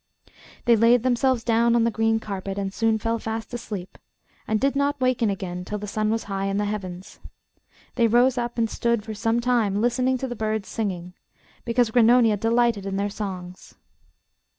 They laid themselves down on the green carpet and soon fell fast asleep, and did not waken again till the sun was high in the heavens. They rose up and stood for some time listening to the birds singing, because Grannonia delighted in their songs.